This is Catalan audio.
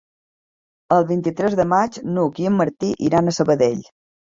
El vint-i-tres de maig n'Hug i en Martí iran a Sabadell.